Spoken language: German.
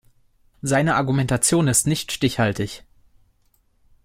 Seine Argumentation ist nicht stichhaltig.